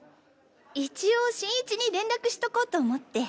一応新一に連絡しとこうと思って。